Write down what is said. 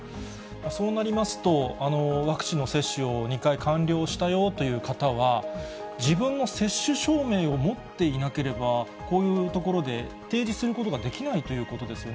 そうなりますと、ワクチンの接種を２回完了したよという方は、自分の接種証明を持っていなければ、こういう所で提示することができないということですよね。